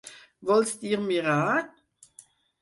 Vols dir mirar?